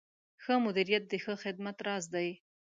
ښه مدیریت د ښه خدمت راز دی.